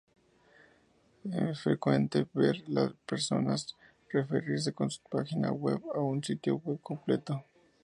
Es frecuente ver a personas referirse con "página web" a un sitio web completo.